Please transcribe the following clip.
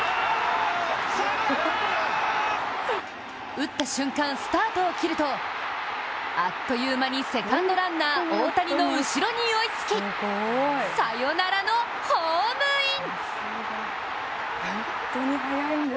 打った瞬間、スタートを切ると、あっという間にセカンドランナー大谷の後ろに追いつきサヨナラのホームイン！